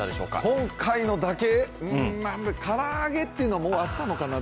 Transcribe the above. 今回のだけ、唐揚げっていうのはもうあったのかな？